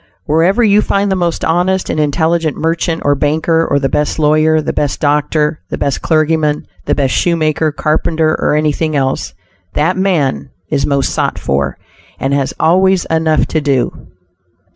Wherever you find the most honest and intelligent merchant or banker, or the best lawyer, the best doctor, the best clergyman, the best shoemaker, carpenter, or anything else, that man is most sought for, and has always enough to do.